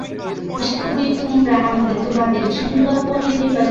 আশা করি, তোমরা তোমাদের সুন্দর পল্লীনিবাসে বেশ আনন্দে আছ।